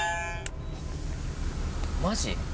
マジ？